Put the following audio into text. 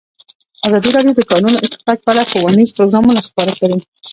ازادي راډیو د د کانونو استخراج په اړه ښوونیز پروګرامونه خپاره کړي.